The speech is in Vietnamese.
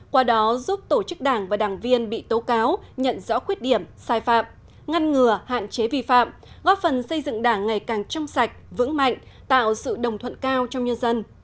qua đó giúp tổ chức đảng và đảng viên bị tố cáo nhận rõ khuyết điểm sai phạm ngăn ngừa hạn chế vi phạm góp phần xây dựng đảng ngày càng trong sạch vững mạnh tạo sự đồng thuận cao trong nhân dân